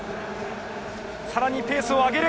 さらにペースを上げた！